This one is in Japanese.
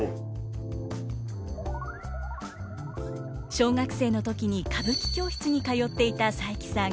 小学生の時に歌舞伎教室に通っていた佐伯さん。